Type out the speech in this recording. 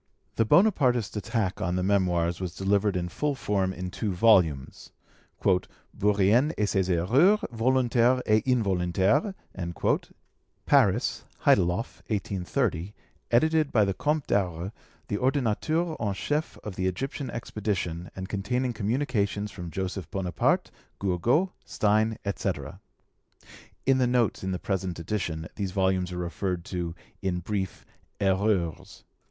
The Bonapartist attack on the Memoirs was delivered in full form, in two volumes, 'Bourrienne et ses Erreurs, Volontaires et Involontaires' (Paris, Heideloff, 1830), edited by the Comte d'Aure, the Ordonnateur en Chef of the Egyptian expedition, and containing communications from Joseph Bonaparte, Gourgaud, Stein, etc.' [In the notes in this present edition these volumes are referred to in brief 'Erreurs'.